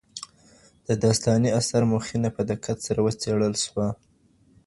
د داستاني اثر مخینه په دقت سره وڅېړل سوه.